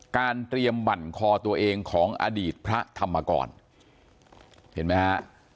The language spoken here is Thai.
เตรียมบั่นคอตัวเองของอดีตพระธรรมกรเห็นไหมฮะ